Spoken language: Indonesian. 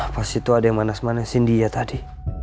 pas itu ada yang manas manasin dia tadi